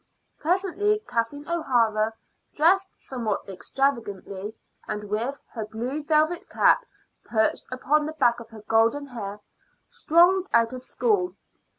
Presently Kathleen O'Hara, dressed somewhat extravagantly, and with her blue velvet cap perched upon the back of her golden hair, strolled out of school.